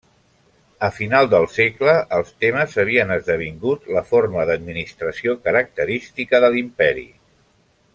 A final del segle, els temes havien esdevingut la forma d'administració característica de l'imperi.